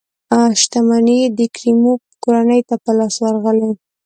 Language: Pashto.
شتمنۍ یې د کریموف کورنۍ ته په لاس ورغلې.